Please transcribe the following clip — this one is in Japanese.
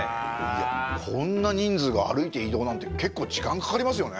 こんな人数が歩いて移動なんて結構時間かかりますよね。